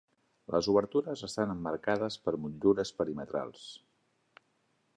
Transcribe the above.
Les obertures estan emmarcades per motllures perimetrals.